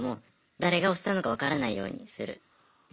誰が押したのか分からないようにする。